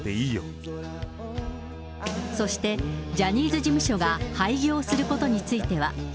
そして、ジャニーズ事務所が廃業することについては。